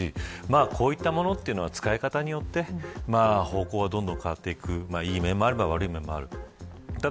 こういったものは使い方によって方法がどんどん変わっていっていい面もあれば悪い面もあります。